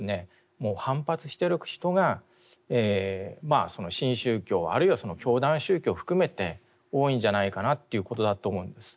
もう反発してる人がまあその新宗教あるいは教団宗教を含めて多いんじゃないかなということだと思うんです。